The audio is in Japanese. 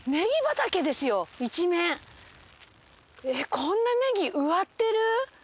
こんなネギ植わってる？